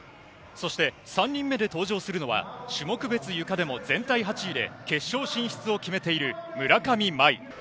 そして、３人目で登場するのは、種目別ゆかでも全体８位で決勝進出を決めている村上茉愛。